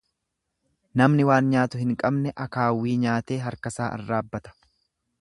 Namni waan nyaatu hin qabne akaawwii nyaatee harkasaa arraabbata.